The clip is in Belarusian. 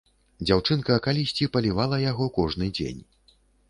Дзяўчынка калісьці палівала яго кожны дзень.